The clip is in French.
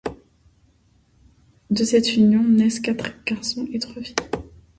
De cette union naissent quatre garçons et trois filles.